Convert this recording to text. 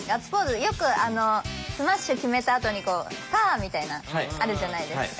よくあのスマッシュ決めたあとに「サッ！」みたいなあるじゃないですか。